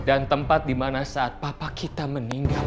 dan tempat dimana saat papa kita meninggal